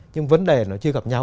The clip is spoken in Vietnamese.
nhưng vấn đề nó chưa gặp nhau